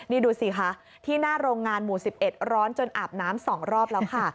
นี่ดูสิคะที่หน้าโรงงานหมู่๑๑ร้อนจนอาบน้ำ๒รอบแล้วค่ะ